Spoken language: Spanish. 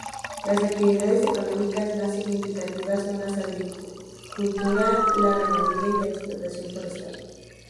Las actividades económicas más significativas son la agricultura, la ganadería y la explotación forestal.